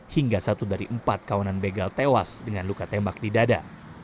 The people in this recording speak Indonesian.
hingga satu dari empat kawanan begal tewas dengan luka tembak di dada